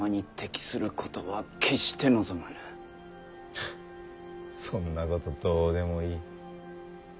フッそんなことどうでもいい。